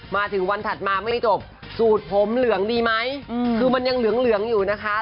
มาถึงวันถัดมาไม่จบสูตรผมเหลืองดีไหมคือมันยังเหลืองอยู่นะคะ